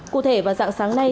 cụ thể vào dạng sáng nay